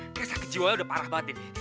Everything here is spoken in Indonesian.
kayaknya sakit jiwanya udah parah banget ini